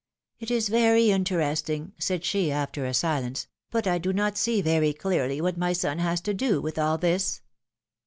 It is very interesting/^ said she, after a silence, ^^but I do not see very clearly what my son has to do with all this?